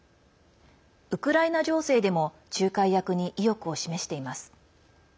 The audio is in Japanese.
ウクライナ情勢でも仲介役に意欲を示しています。